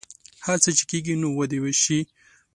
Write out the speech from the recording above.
هر څه چې کیږي نو ودې شي